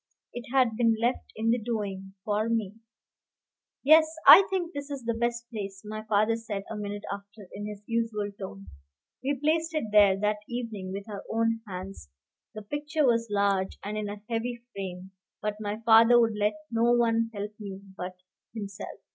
It had been left in the doing for me. "Yes, I think this is the best place," my father said a minute after, in his usual tone. We placed it there that evening with our own hands. The picture was large, and in a heavy frame, but my father would let no one help me but himself.